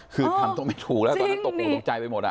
คือทำตัวไม่ถูกแล้วตอนนั้นตกออกตกใจไปหมด